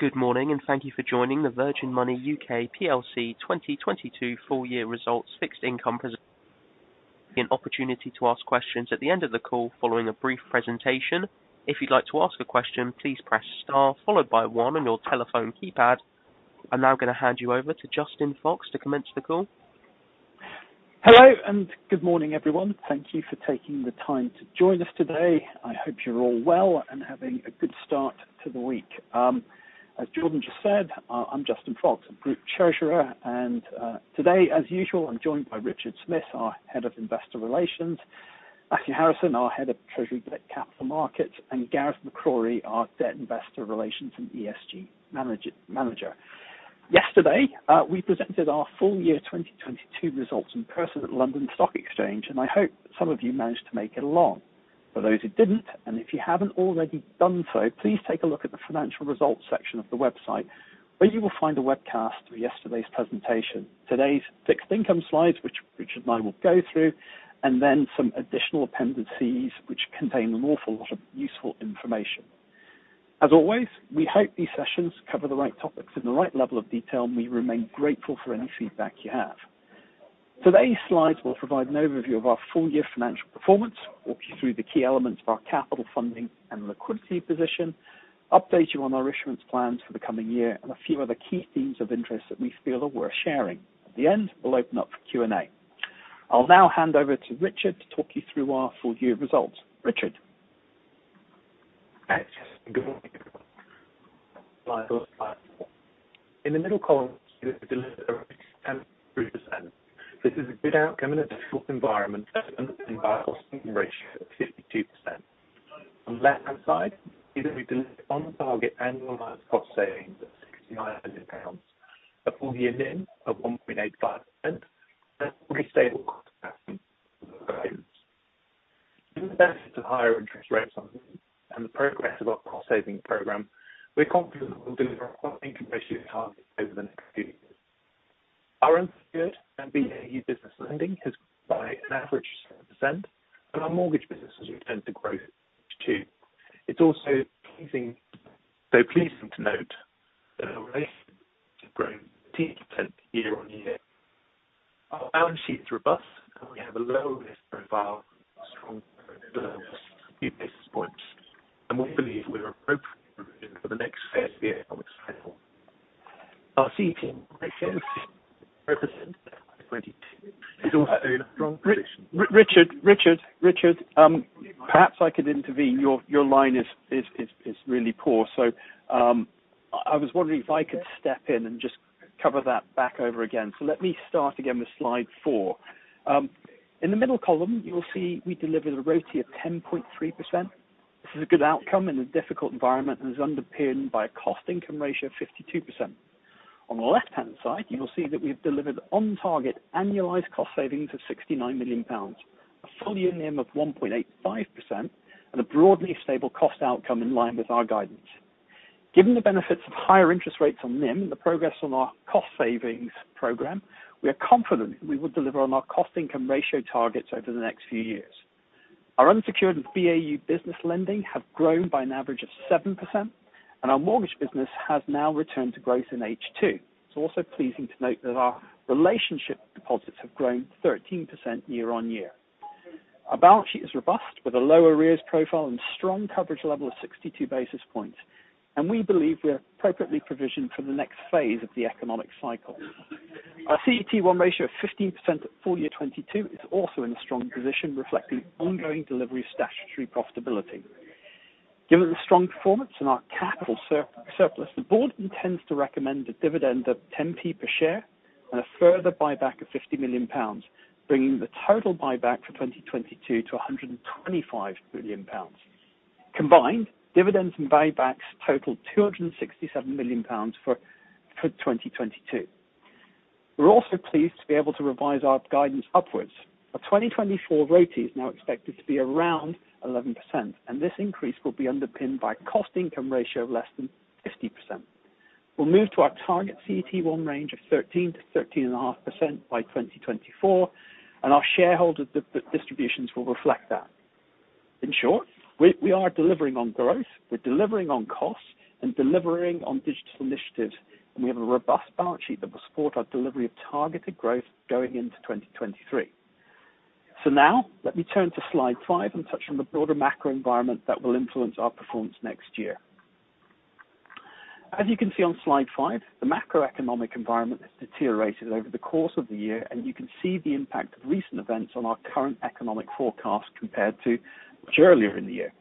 Good morning. Thank you for joining the Virgin Money U.K. PLC 2022 full year results fixed income an opportunity to ask questions at the end of the call following a brief presentation. If you'd like to ask a question, please press star followed by one on your telephone keypad. I'm now gonna hand you over to Justin Fox to commence the call. Hello and good morning, everyone. Thank you for taking the time to join us today. I hope you're all well and having a good start to the week. As Jordan just said, I'm Justin Fox, Group Treasurer. Today, as usual, I'm joined by Richard Smith, our Head of Investor Relations. Matthew Harrison, our Head of Treasury Debt Capital Markets, and Gareth McCrorie, our Debt Investor Relations and ESG Manager. Yesterday, we presented our full year 2022 results in person at the London Stock Exchange. I hope some of you managed to make it along. For those who didn't, if you haven't already done so, please take a look at the financial results section of the website, where you will find a webcast of yesterday's presentation. Today's fixed income slides, which Richard and I will go through, and then some additional appendices which contain an awful lot of useful information. As always, we hope these sessions cover the right topics in the right level of detail, and we remain grateful for any feedback you have. Today's slides will provide an overview of our full year financial performance, walk you through the key elements of our capital funding and liquidity position, update you on our issuance plans for the coming year, and a few other key themes of interest that we feel are worth sharing. At the end, we'll open up for Q&A. I'll now hand over to Richard to talk you through our full year results. Richard. Thanks. Good morning. In the middle column, Richard, Richard perhaps i can intervene your line is really poor, I was wondering if I could step in and just cover that back over again. So let me start over again with slide four. In the middle column you will see we've delivered a RoTE of 10.3%. This is a good outcome in a difficult environment and is underpinned by a cost income ratio of 52%. On the left-hand side, you can see that we delivered on target annualized cost savings of 69 million pounds, a full year NIM of 1.85% and a broadly stable cost outcome in line with our guidance. Given the benefits of higher interest rates on NIM and the progress of our cost-saving program, we are confident that we will deliver on our cost income ratio targets over the next few years. Our unsecured and BAU business lending has grown by an average of 7%, and our mortgage business has returned to growth in H2. Though pleasing to note that our relationship deposits have grown 13% year-on-year. Our balance sheet is robust. We have a low risk profile and strong coverage levels of 62 basis points. We believe we are appropriately provisioned for the next phase of the economic cycle. Our CET1 ratio of 15% at full year 2022 is also in a strong position, reflecting ongoing delivery of statutory profitability. Given the strong performance and our capital surplus, the board intends to recommend a dividend of 0.10 per share and a further buyback of 50 million pounds, bringing the total buyback for 2022 to 125 million pounds. Combined, dividends and buybacks totaled 267 million pounds for 2022. We're also pleased to be able to revise our guidance upwards. Our 2024 RoTE is now expected to be around 11%. This increase will be underpinned by a cost income ratio of less than 50%. We'll move to our target CET1 range of 13%-13.5% by 2024. Our shareholder distributions will reflect that. In short, we are delivering on growth, we're delivering on costs and delivering on digital initiatives. We have a robust balance sheet that will support our delivery of targeted growth going into 2023. Now let me turn to slide five and touch on the broader macro environment that will influence our performance next year. As you can see on slide five, the macroeconomic environment has deteriorated over the course of the year. You can see the impact of recent events on our current economic forecast compared to much earlier in the year.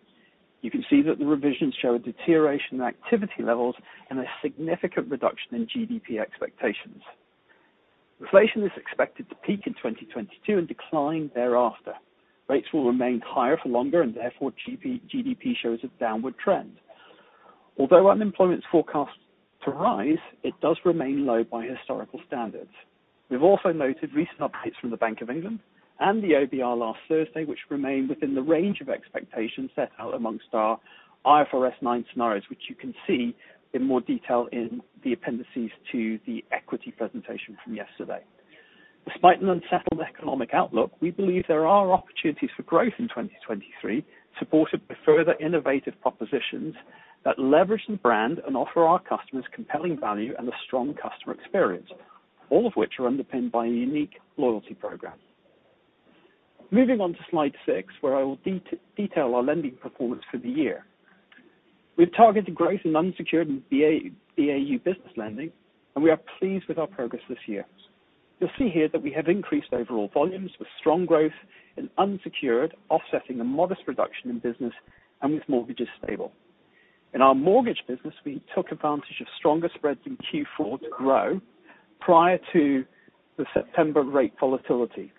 You can see that the revisions show a deterioration in activity levels and a significant reduction in GDP expectations. Inflation is expected to peak in 2022 and decline thereafter. Rates will remain higher for longer and therefore GDP shows a downward trend. Although unemployment is forecast to rise, it does remain low by historical standards. We've also noted recent updates from the Bank of England and the OBR last Thursday, which remain within the range of expectations set out amongst our IFRS 9 scenarios, which you can see in more detail in the appendices to the equity presentation from yesterday. Despite an unsettled economic outlook, we believe there are opportunities for growth in 2023, supported by further innovative propositions that leverage the brand and offer our customers compelling value and a strong customer experience, all of which are underpinned by a unique loyalty program. Moving on to slide six, where I will detail our lending performance for the year. We've targeted growth in unsecured and BAU business lending, and we are pleased with our progress this year. You'll see here that we have increased overall volumes with strong growth in unsecured, offsetting a modest reduction in business and with mortgages stable. In our mortgage business, we took advantage of stronger spreads in Q4 to grow prior to the September rate volatility.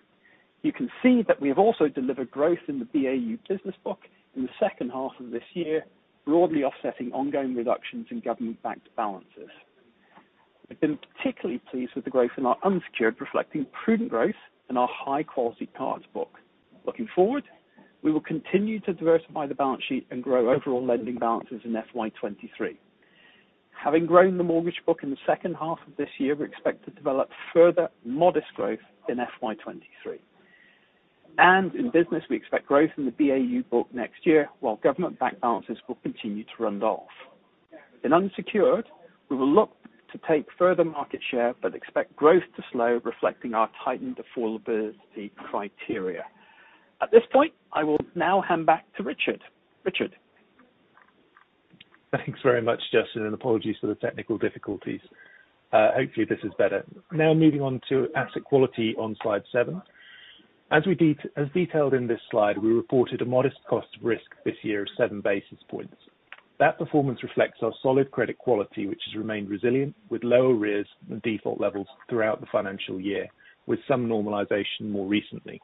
You can see that we have also delivered growth in the BAU business book in the second half of this year, broadly offsetting ongoing reductions in government-backed balances. We've been particularly pleased with the growth in our unsecured, reflecting prudent growth and our high-quality cards book. Looking forward, we will continue to diversify the balance sheet and grow overall lending balances in FY 2023. Having grown the mortgage book in the second half of this year, we expect to develop further modest growth in FY 2023. In business, we expect growth in the BAU book next year, while government-backed balances will continue to run off. In unsecured, we will look to take further market share but expect growth to slow, reflecting our tightened affordability criteria. At this point, I will now hand back to Richard. Richard? Thanks very much, Justin. Apologies for the technical difficulties. Hopefully this is better. Now moving on to asset quality on slide seven. As detailed in this slide, we reported a modest cost of risk this year of 7 basis points. That performance reflects our solid credit quality, which has remained resilient, with lower risks and default levels throughout the financial year, with some normalization more recently.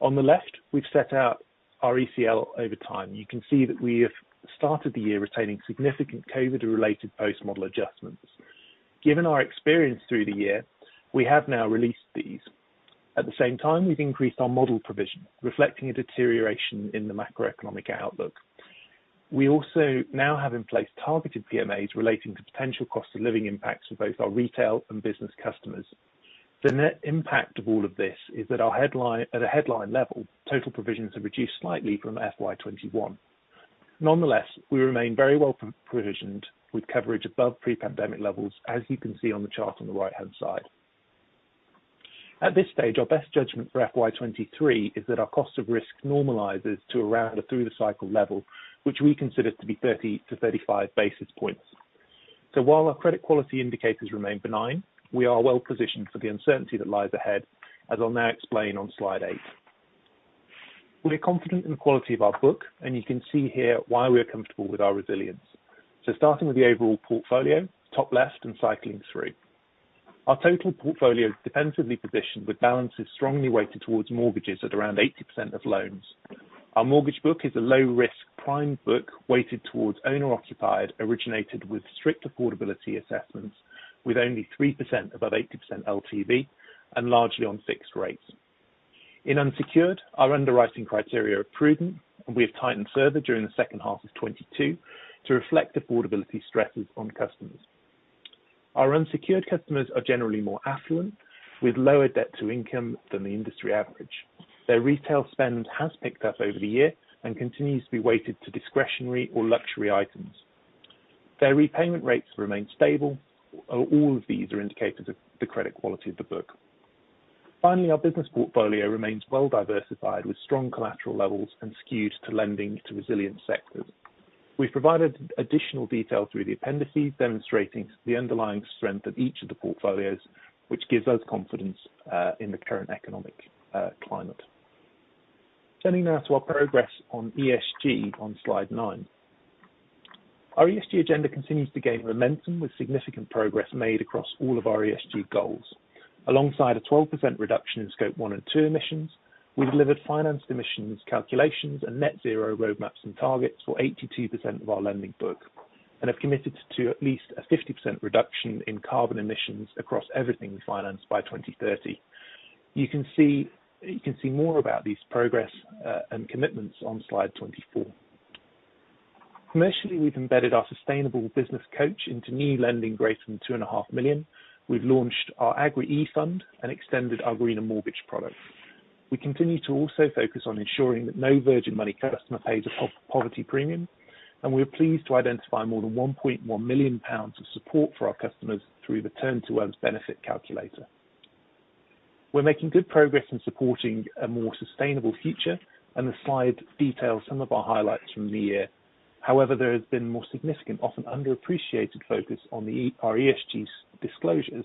On the left, we've set out our ECL over time. You can see that we have started the year retaining significant COVID-related post-model adjustments. Given our experience through the year, we have now released these. At the same time, we've increased our model provision, reflecting a deterioration in the macroeconomic outlook. We also now have in place targeted PMAs relating to potential cost of living impacts for both our retail and business customers. The net impact of all of this is that at a headline level, total provisions have reduced slightly from FY 2021. Nonetheless, we remain very well provisioned with coverage above pre-pandemic levels, as you can see on the chart on the right-hand side. At this stage, our best judgment for FY 2023 is that our cost of risk normalizes to around or through the cycle level, which we consider to be 30 to 35 basis points. While our credit quality indicators remain benign, we are well positioned for the uncertainty that lies ahead, as I'll now explain on slide 8. We're confident in the quality of our book, and you can see here why we are comfortable with our resilience. Starting with the overall portfolio, top left and cycling through. Our total portfolio is defensively positioned with balances strongly weighted towards mortgages at around 80% of loans. Our mortgage book is a low-risk prime book weighted towards owner-occupied, originated with strict affordability assessments, with only 3% above 80% LTV and largely on fixed rates. In unsecured, our underwriting criteria are prudent, and we have tightened further during the second half of 2022 to reflect affordability stresses on customers. Our unsecured customers are generally more affluent, with lower debt to income than the industry average. Their retail spend has picked up over the year and continues to be weighted to discretionary or luxury items. Their repayment rates remain stable. All of these are indicators of the credit quality of the book. Finally, our business portfolio remains well-diversified with strong collateral levels and skews to lending to resilient sectors. We've provided additional detail through the appendices demonstrating the underlying strength of each of the portfolios, which gives us confidence in the current economic climate. Turning now to our progress on ESG on slide nine. Our ESG agenda continues to gain momentum with significant progress made across all of our ESG goals. Alongside a 12% reduction in Scope 1 and 2 emissions, we delivered financed emissions calculations and net zero roadmaps and targets for 82% of our lending book and have committed to at least a 50% reduction in carbon emissions across everything we finance by 2030. You can see more about this progress and commitments on slide 24. Commercially, we've embedded our Sustainable Business Coach into new lending greater than 2.5 million. We've launched our Agri E Fund and extended our Greener Mortgages product. We continue to also focus on ensuring that no Virgin Money customer pays a poverty premium. We are pleased to identify more than 1.1 million pounds of support for our customers through the Turn2us benefit calculator. We're making good progress in supporting a more sustainable future. The slide details some of our highlights from the year. However, there has been more significant, often underappreciated focus on the ESG disclosures.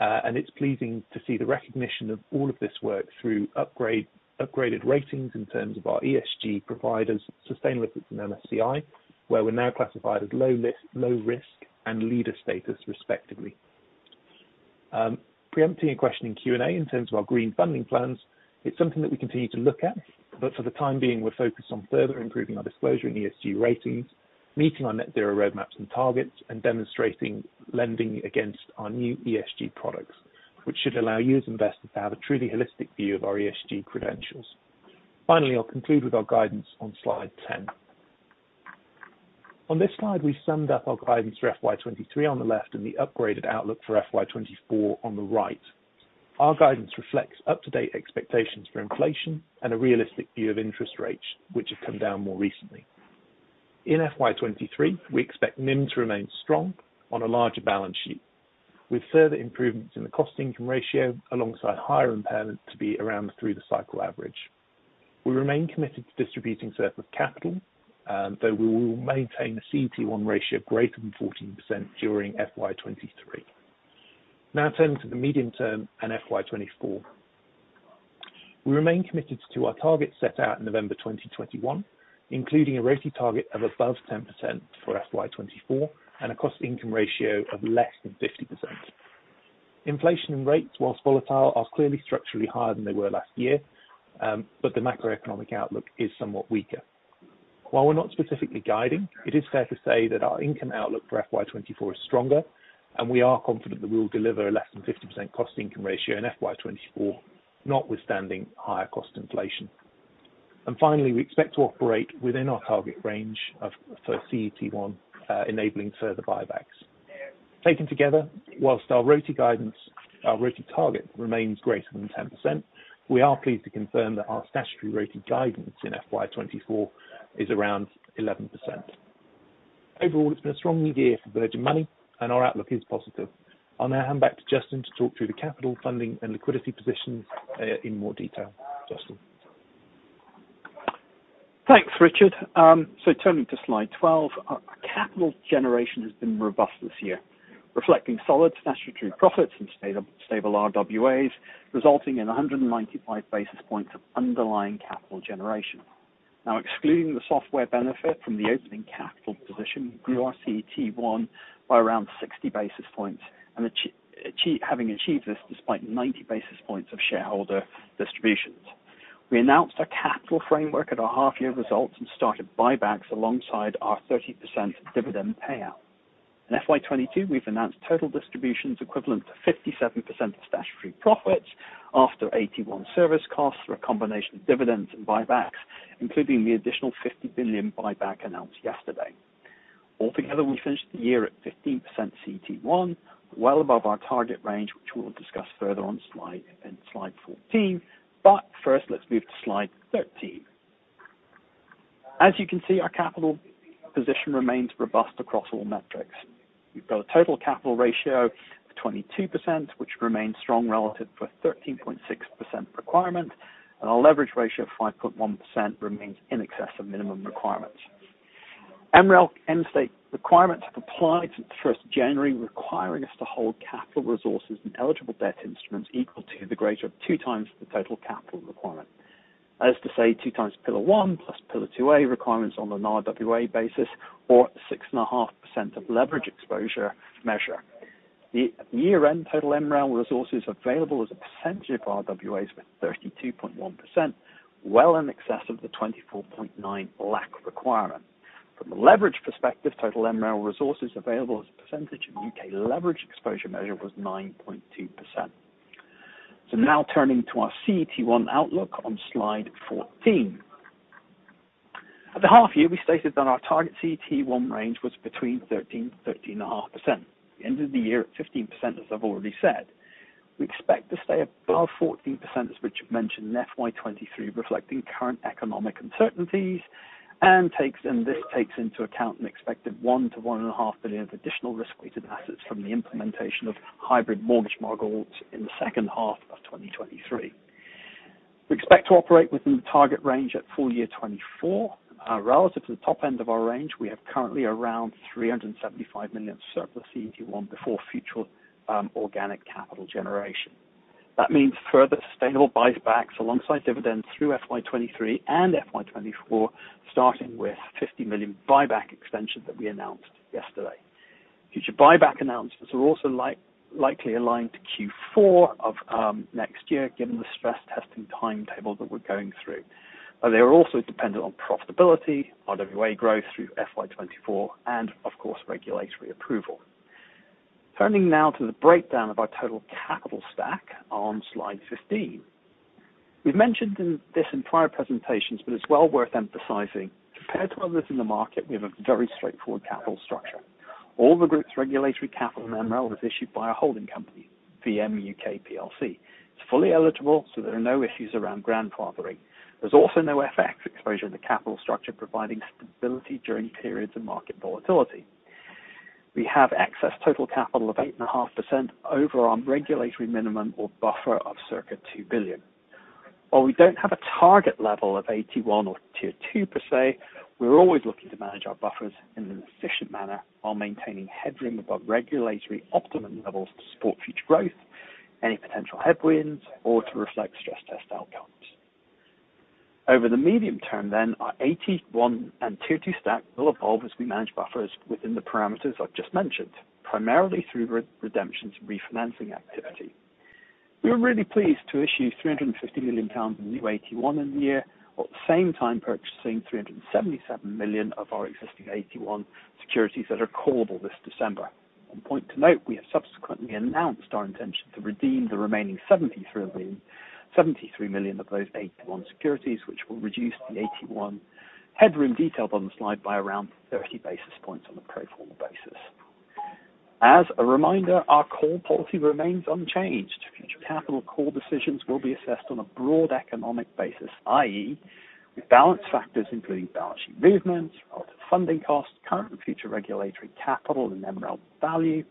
It's pleasing to see the recognition of all of this work through upgraded ratings in terms of our ESG providers, sustainability from MSCI, where we're now classified as low risk and leader status, respectively. Preempting a question in Q&A in terms of our green funding plans, it's something that we continue to look at, but for the time being, we're focused on further improving our disclosure and ESG ratings, meeting our net zero roadmaps and targets, and demonstrating lending against our new ESG products, which should allow you as investors to have a truly holistic view of our ESG credentials. I'll conclude with our guidance on slide 10. On this slide, we summed up our guidance for FY 2023 on the left and the upgraded outlook for FY 2024 on the right. Our guidance reflects up-to-date expectations for inflation and a realistic view of interest rates, which have come down more recently. In FY 2023, we expect NIM to remain strong on a larger balance sheet, with further improvements in the cost income ratio alongside higher impairments to be around through the cycle average. We remain committed to distributing surplus capital, though we will maintain a CET1 ratio greater than 14% during FY 2023. Now turning to the medium term and FY 2024. We remain committed to our targets set out in November 2021, including a RoTE target of above 10% for FY 2024 and a cost income ratio of less than 50%. Inflation rates, whilst volatile, are clearly structurally higher than they were last year, but the macroeconomic outlook is somewhat weaker. While we're not specifically guiding, it is fair to say that our income outlook for FY 2024 is stronger, and we are confident that we will deliver less than 50% cost income ratio in FY 2024, notwithstanding higher cost inflation. Finally, we expect to operate within our target range of, for CET1, enabling further buybacks. Taken together, whilst our RoTE target remains greater than 10%, we are pleased to confirm that our statutory RoTE guidance in FY 2024 is around 11%. Overall, it's been a strong year for Virgin Money. Our outlook is positive. I'll now hand back to Justin to talk through the capital funding and liquidity positions in more detail. Justin. Thanks, Richard. Turning to slide 12. Our capital generation has been robust this year, reflecting solid statutory profits and stable RWAs, resulting in 195 basis points of underlying capital generation. Excluding the software benefit from the opening capital position grew our CET1 by around 60 basis points, having achieved this despite 90 basis points of shareholder distributions. We announced our capital framework at our half year results and started buybacks alongside our 30% dividend payout. In FY 2022, we've announced total distributions equivalent to 57% of statutory profits after AT1 service costs through a combination of dividends and buybacks, including the additional 50 billion buyback announced yesterday. We finished the year at 15% CET1, well above our target range, which we will discuss further in slide 14. First, let's move to slide 13. As you can see, our capital position remains robust across all metrics. We've got a total capital ratio of 22%, which remains strong relative to a 13.6% requirement. Our leverage ratio of 5.1% remains in excess of minimum requirements. MREL end state requirements have applied since first January, requiring us to hold capital resources and eligible debt instruments equal to the greater of 2 times the total capital requirement. As to say, two times Pillar 1 plus Pillar 2A requirements on an RWAs basis or 6.5% of leverage exposure measure. The year-end total MREL resources available as a percentage of RWAs was 32.1%, well in excess of the 24.9 lakh requirement. From a leverage perspective, total MREL resources available as a percentage of U.K. leverage exposure measure was 9.2%. Now turning to our CET1 outlook on slide 14. At the half year, we stated that our target CET1 range was between 13%-13.5%. We ended the year at 15%, as I've already said. We expect to stay above 14%, as Richard mentioned, in FY 2023, reflecting current economic uncertainties and this takes into account an expected 1 billion-1.5 billion of additional risk-weighted assets from the implementation of hybrid mortgage models in the second half of 2023. We expect to operate within the target range at full year 2024. Relative to the top end of our range, we have currently around 375 million surplus CET1 before future organic capital generation. That means further sustainable buybacks alongside dividends through FY 2023 and FY 2024, starting with 50 million buyback extension that we announced yesterday. Future buyback announcements are also likely aligned to Q4 of next year, given the stress testing timetable that we're going through. They are also dependent on profitability, RWA growth through FY 2024, and of course, regulatory approval. Turning now to the breakdown of our total capital stack on slide 15. We've mentioned this in prior presentations, it's well worth emphasizing. Compared to others in the market, we have a very straightforward capital structure. All the group's regulatory capital in MREL is issued by a holding company, VMUK PLC. It's fully eligible, there are no issues around grandfathering. There's also no FX exposure in the capital structure, providing stability during periods of market volatility. We have excess total capital of 8.5% over our regulatory minimum or buffer of circa 2 billion. While we don't have a target level of AT1 or Tier 2 per se, we're always looking to manage our buffers in an efficient manner while maintaining headroom above regulatory optimum levels to support future growth, any potential headwinds, or to reflect stress test outcomes. Over the medium term then, our AT1 and Tier 2 stack will evolve as we manage buffers within the parameters I've just mentioned, primarily through re-redemptions and refinancing activity. We were really pleased to issue 350 million pounds in new AT1 in the year, while at the same time purchasing 377 million of our existing AT1 securities that are callable this December. One point to note, we have subsequently announced our intention to redeem the remaining 73 million of those AT1 securities which will reduce the AT1 headroom detailed on the slide by around 30 basis points on a pro forma basis. As a reminder, our core policy remains unchanged. Future capital core decisions will be assessed on a broad economic basis, i.e., with balance factors including balance sheet movements, relative funding costs, current and future regulatory capital and MREL value,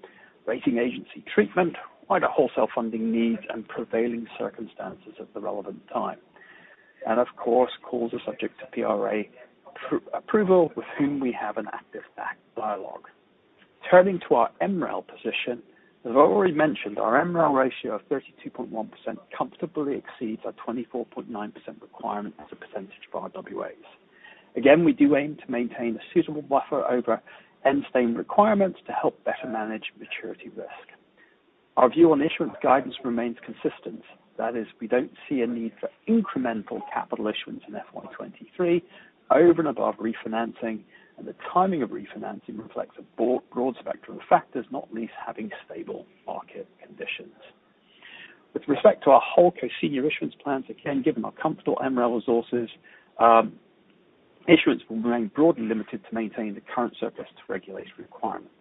rating agency treatment, wider wholesale funding needs and prevailing circumstances at the relevant time. Of course calls are subject to PRA approval with whom we have an active dialogue. Turning to our MREL position. As I've already mentioned, our MREL ratio of 32.1% comfortably exceeds our 24.9% requirement as a percentage of our RWAs. We do aim to maintain a suitable buffer over end-state requirements to help better manage maturity risk. Our view on issuance guidance remains consistent. That is, we don't see a need for incremental capital issuance in FY 2023 over and above refinancing, and the timing of refinancing reflects a broad spectrum of factors, not least having stable market conditions. With respect to our HoldCo senior issuance plans, given our comfortable MREL resources, issuance will remain broadly limited to maintain the current surplus to regulatory requirements.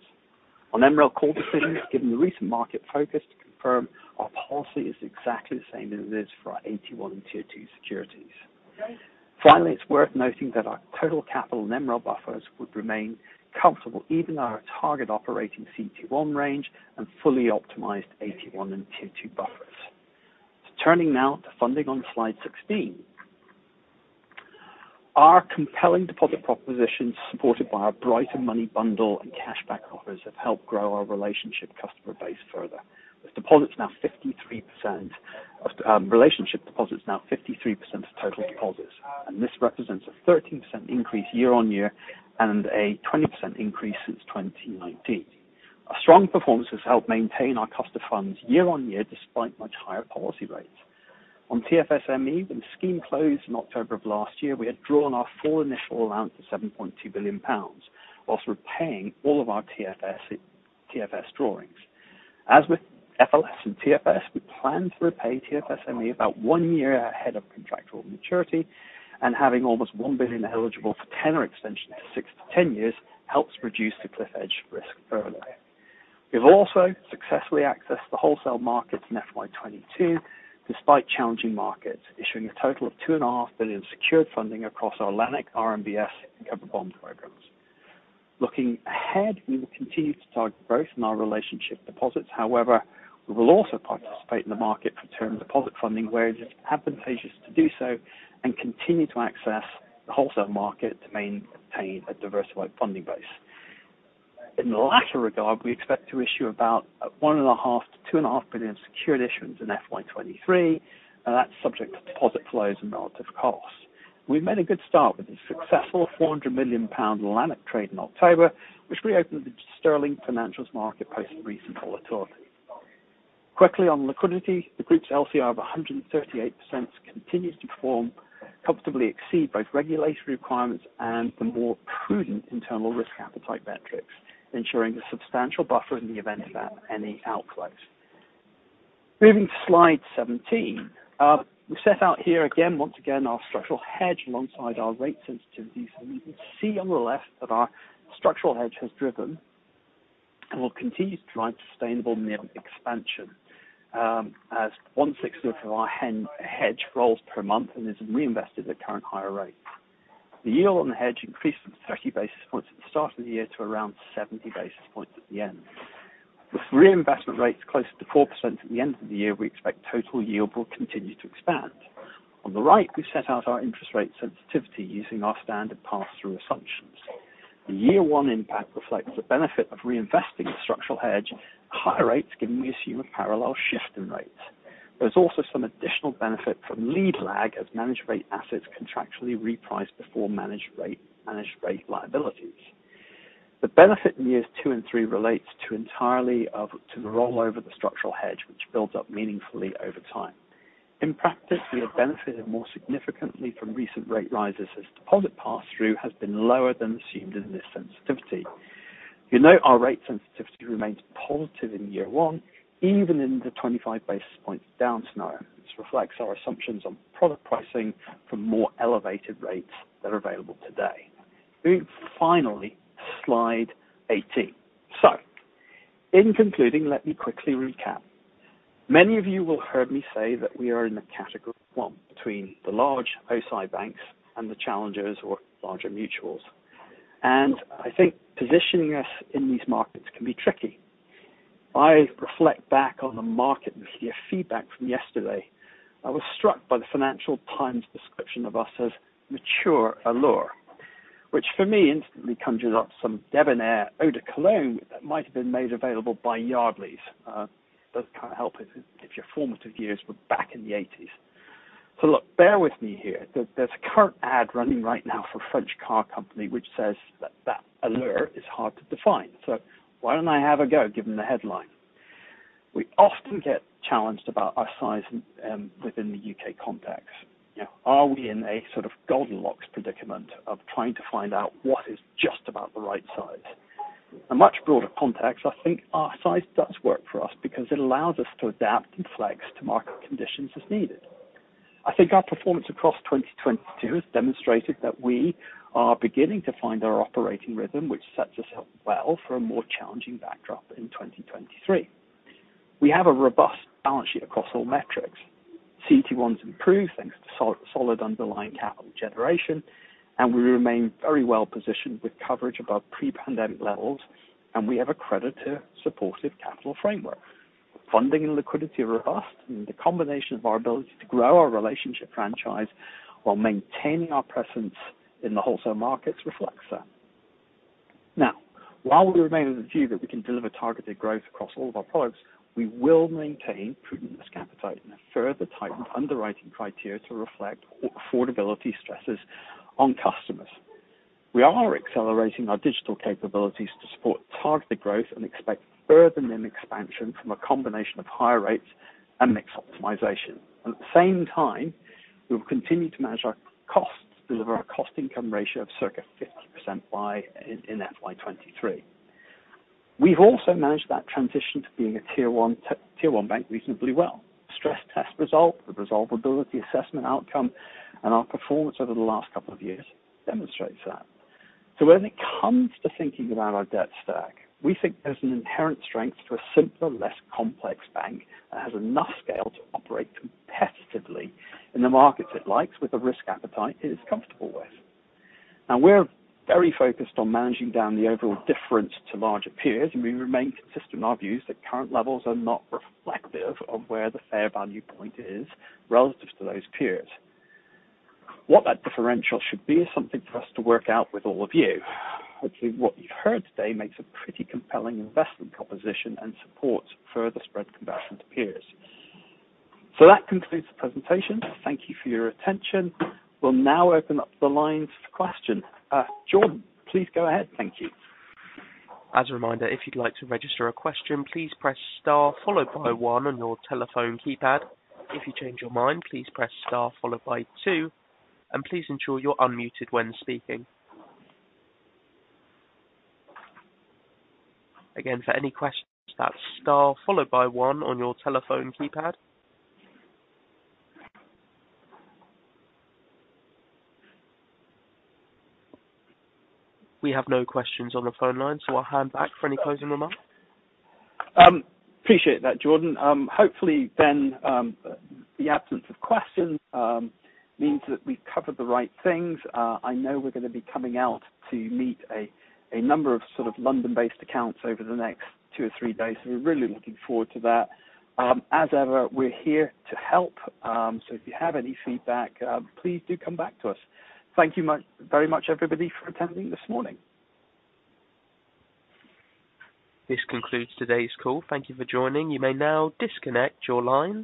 On MREL call decisions given the recent market focus to confirm our policy is exactly the same as it is for our AT1 and Tier 2 securities. Finally, it's worth noting that our total capital and MREL buffers would remain comfortable even our target operating CET1 range and fully optimized AT1 and Tier 2 buffers. Turning now to funding on slide 16. Our compelling deposit propositions supported by our Brighter Money Bundle and cashback offers have helped grow our relationship customer base further, with relationship deposits now 53% of total deposits, and this represents a 13% increase year-on-year and a 20% increase since 2019. Our strong performance has helped maintain our cost of funds year-on-year despite much higher policy rates. On TFSME when the scheme closed in October of last year, we had drawn our full initial allowance of 7.2 billion pounds whilst repaying all of our TFS drawings. As with FLS and TFS, we plan to repay TFSME about one year ahead of contractual maturity and having almost 1 billion eligible for tenor extension of six to 10 years helps reduce the cliff edge risk further. We've also successfully accessed the wholesale markets in FY 2022 despite challenging markets, issuing a total of 2.5 billion secured funding across Atlantic RMBS and cover bond programs. Looking ahead, we will continue to target growth in our relationship deposits. We will also participate in the market for term deposit funding where it is advantageous to do so and continue to access the wholesale market to maintain a diversified funding base. In the latter regard, we expect to issue about 1.5 billion-2.5 billion secured issuance in FY 2023, and that's subject to deposit flows and relative costs. We've made a good start with a successful 400 million pound Atlantic trade in October, which reopened the sterling financials market post recent volatility. Quickly on liquidity, the group's LCR of 138% continues to perform comfortably exceed both regulatory requirements and the more prudent internal risk appetite metrics, ensuring a substantial buffer in the event of any outflows. Moving to slide 17. We set out here again, once again our structural hedge alongside our rate sensitivities. You can see on the left that our structural hedge has driven and will continue to drive sustainable net expansion, as one-sixth of our hedge rolls per month and is reinvested at current higher rates. The yield on the hedge increased from 30 basis points at the start of the year to around 70 basis points at the end. With reinvestment rates closer to 4% at the end of the year, we expect total yield will continue to expand. On the right, we set out our interest rate sensitivity using our standard pass-through assumptions. The year one impact reflects the benefit of reinvesting the structural hedge at higher rates, given we assume a parallel shift in rates. There's also some additional benefit from lead-lag as managed rate assets contractually reprice before managed rate liabilities. The benefit in years two and three relates entirely to the rollover of the structural hedge, which builds up meaningfully over time. In practice, we have benefited more significantly from recent rate rises as deposit pass-through has been lower than assumed in this sensitivity. You know our rate sensitivity remains positive in year one even in the 25 basis point down scenario. This reflects our assumptions on product pricing for more elevated rates that are available today. Moving finally to slide 18. In concluding, let me quickly recap. Many of you will heard me say that we are in the category one between the large O-SII banks and the challengers or larger mutuals. I think positioning us in these markets can be tricky. I reflect back on the market and hear feedback from yesterday. I was struck by the Financial Times description of us as mature allure, which for me instantly conjures up some debonair eau de cologne that might have been made available by Yardley. Doesn't kinda help if it gives you formative years, back in the 80s. Look, bear with me here. There's a current ad running right now for French car company which says that allure is hard to define. Why don't I have a go given the headline? We often get challenged about our size, within the U.K. context. You know, are we in a sort of Goldilocks predicament of trying to find out what is just about the right size? A much broader context, I think our size does work for us because it allows us to adapt and flex to market conditions as needed. I think our performance across 2022 has demonstrated that we are beginning to find our operating rhythm, which sets us up well for a more challenging backdrop in 2023. We have a robust balance sheet across all metrics. CET1's improved thanks to solid underlying capital generation. We remain very well positioned with coverage above pre-pandemic levels. We have a creditor supportive capital framework. The combination of our ability to grow our relationship franchise while maintaining our presence in the wholesale markets reflects that. Now, while we remain of the view that we can deliver targeted growth across all of our products, we will maintain prudence appetite and a further tightened underwriting criteria to reflect affordability stresses on customers. We are accelerating our digital capabilities to support targeted growth and expect further NIM expansion from a combination of higher rates and mix optimization. At the same time, we will continue to manage our costs, deliver our cost income ratio of circa 50% in FY 2023. We've also managed that transition to being a Tier 1 bank reasonably well. Stress test result with resolvability assessment outcome and our performance over the last couple of years demonstrates that. When it comes to thinking about our debt stack, we think there's an inherent strength to a simpler, less complex bank that has enough scale to operate competitively in the markets it likes with the risk appetite it is comfortable with. We're very focused on managing down the overall difference to larger peers, and we remain consistent in our views that current levels are not reflective of where the fair value point is relative to those peers. What that differential should be is something for us to work out with all of you. Hopefully, what you've heard today makes a pretty compelling investment proposition and supports further spread convergence peers. That concludes the presentation. Thank you for your attention. We'll now open up the lines for question. Jordan, please go ahead. Thank you. As a reminder, if you'd like to register a question, please press star followed by one on your telephone keypad. If you change your mind, please press star followed by two, and please ensure you're unmuted when speaking. Again, for any questions, that's star followed by one on your telephone keypad. We have no questions on the phone line, so I'll hand back for any closing remarks. Appreciate that, Jordan. Hopefully then, the absence of questions means that we've covered the right things. I know we're gonna be coming out to meet a number of sort of London-based accounts over the next two or three days, so we're really looking forward to that. As ever, we're here to help. If you have any feedback, please do come back to us. Thank you very much, everybody, for attending this morning. This concludes today's call. Thank you for joining. You may now disconnect your line.